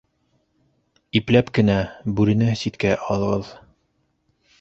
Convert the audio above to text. Ипләп кенә... бүрене ситкә алығыҙ.